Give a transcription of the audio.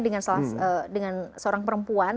dengan seorang perempuan